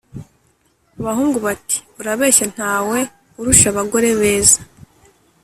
abahungu, bati: «urabeshya nta we urusha abagore beza»